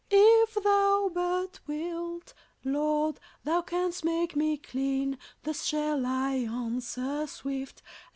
"If Thou but wilt, Lord, Thou canst make me clean." Thus shall I answer swift.